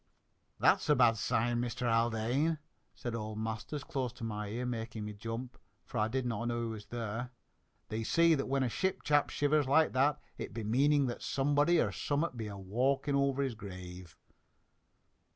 "That's a bad sign, Master Haldane," said old Masters close to my ear, making me jump, for I did not know he was there. "They say that when a ship chap shivers like that there, it be meaning that somebody or summit be a walking over his grave!"